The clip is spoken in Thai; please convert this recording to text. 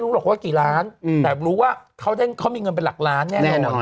หรอกว่ากี่ล้านแต่รู้ว่าเขามีเงินเป็นหลักล้านแน่นอน